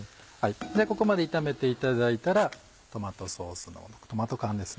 ここまで炒めていただいたらトマトソースのトマト缶です。